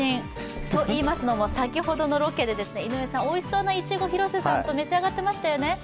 といいますのも、先ほどのロケで井上さん、おいしそうないちごを広瀬さんと召し上がってましたよね。